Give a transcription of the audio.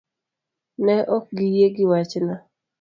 Ne ok giyie gi wachno.